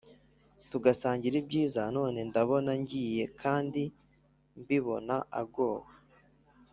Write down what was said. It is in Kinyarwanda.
Tugasangira ibyiza None ndabona ngiye Kandi mbibona agowe!